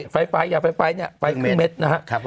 ไฟล์ยาไฟล์ครึ่งเม็ดนะฮะ